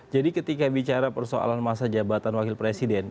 jadi ketika bicara persoalan masa jabatan wakil presiden